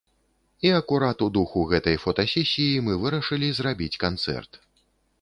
І акурат у духу гэтай фотасесіі мы вырашылі зрабіць канцэрт.